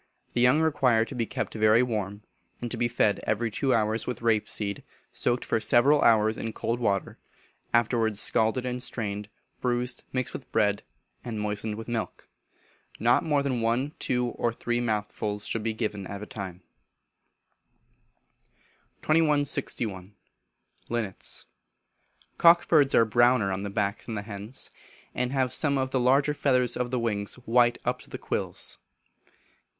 The young require to be kept very warm, and to be fed every two hours with rape seed, soaked for several hours in cold water, afterwards scalded and strained, bruised, mixed with bread, and moistened with milk. Not more than one, two, or three mouthfuls should be given at a time. 2161. Linnets. Cock birds are browner on the back than the hens, and have some of the large feathers of the wings white up to the quills.